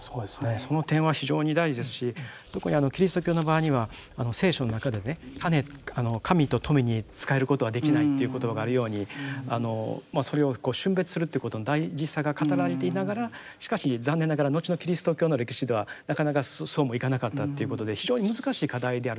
その点は非常に大事ですし特にキリスト教の場合には聖書の中でね神と富に仕えることはできないという言葉があるようにそれを峻別するってことの大事さが語られていながらしかし残念ながら後のキリスト教の歴史ではなかなかそうもいかなかったということで非常に難しい課題であるとは思うんですよね。